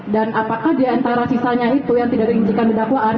apakah diantara sisanya itu yang tidak dirincikan di dakwaan